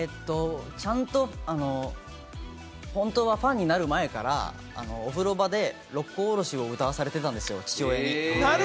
ちゃんと本当はファンになる前からお風呂場で『六甲おろし』を歌わされていたんですよ、父親に。